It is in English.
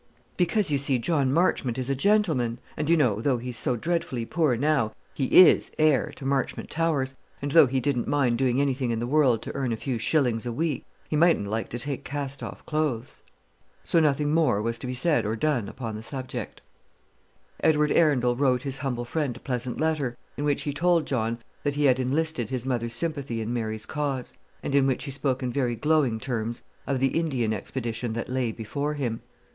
"Because, you see, John Marchmont is a gentleman; and, you know, though he's so dreadfully poor now, he is heir to Marchmont Towers. And though he didn't mind doing any thing in the world to earn a few shillings a week, he mightn't like to take cast off clothes." So nothing more was to be said or done upon the subject. Edward Arundel wrote his humble friend a pleasant letter, in which he told John that he had enlisted his mother's sympathy in Mary's cause, and in which he spoke in very glowing terms of the Indian expedition that lay before him.